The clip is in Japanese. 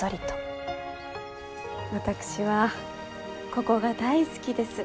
私はここが大好きです。